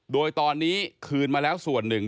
โดยตอนนี้คืนมาแล้วส่วนหนึ่ง